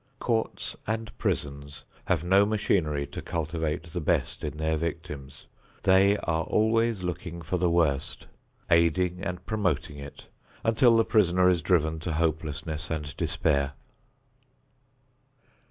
Courts and prisons have no machinery to cultivate the best in their victims; they are always looking for the worst, aiding and promoting it until the prisoner is driven to hopelessness and despair.